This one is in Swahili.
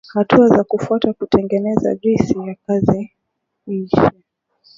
Hatua za kufuata kutengeneza juisi ya kiazi lishe